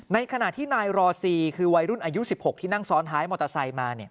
ในขณะที่นายรอซีคือวัยรุ่นอายุ๑๖ที่นั่งซ้อนท้ายมอเตอร์ไซค์มา